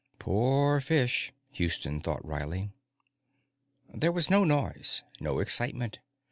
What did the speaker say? Poor fish, Houston thought wryly. There was no noise, no excitement.